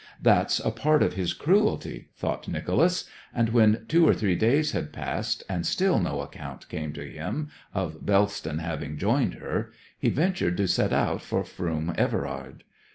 'That's a part of his cruelty,' thought Nicholas. And when two or three days had passed, and still no account came to him of Bellston having joined her, he ventured to set out for Froom Everard.